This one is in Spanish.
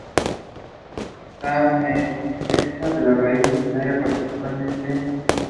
El meristema de la raíz se origina parcialmente de la hipófisis en algunas especies.